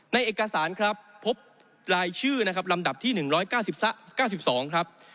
เอกสารครับพบรายชื่อนะครับลำดับที่๑๙๒ครับ